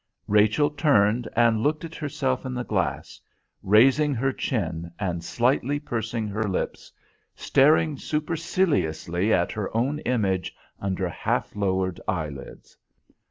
Rachel turned and looked at herself in the glass, raising her chin and slightly pursing her lips, staring superciliously at her own image under half lowered eyelids.